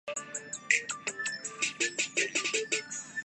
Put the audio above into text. نہ تو کسی نے یہ سوچا